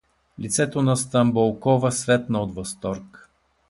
Лицето на Стамболкова светна от възторг.